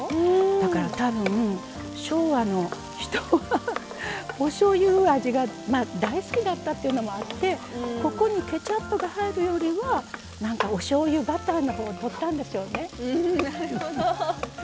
だから多分、昭和の人はおしょうゆ味が大好きだったっていうのもあってここにケチャップが入るよりはおしょうゆバターのほうを取ったんでしょうね。